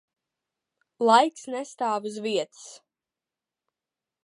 Laiks nestāv uz vietas.